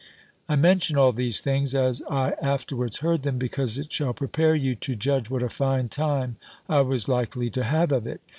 I mention all these things, as I afterwards heard them, because it shall prepare you to judge what a fine time I was likely to have of it.